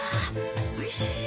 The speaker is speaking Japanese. おいしい！